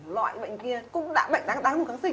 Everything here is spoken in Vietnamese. loại bệnh kia cũng đã bệnh đáng dùng kháng sinh